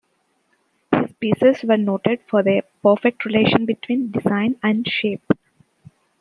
His pieces were noted for their perfect relation between design and shape.